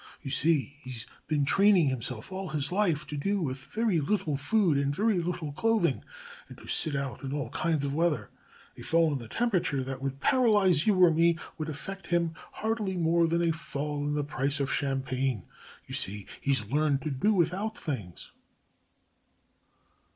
You see, he's been training himself all his life to do with very little food and very little clothing and to sit out in all kinds of weather. A fall in the temperature that would paralyse you or me would affect him hardly more than a fall in the price of champagne. You see, he's learned to do without things."